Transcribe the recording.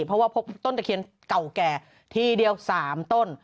เพราะว่าพบต้นตะเคียนเก่าแก่ทีเดียว๓ต้น